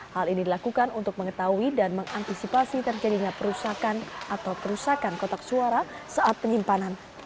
hal ini dilakukan untuk mengetahui dan mengantisipasi terjadinya perusakan atau kerusakan kotak suara saat penyimpanan